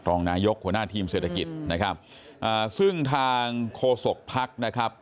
รองนายกหัวหน้าทีมเศรษฐกิจซึ่งทางโฆษกภักดิ์